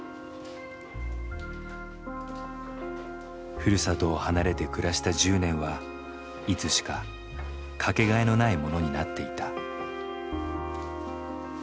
ふるさとを離れて暮らした１０年はいつしかかけがえのないものになっていた。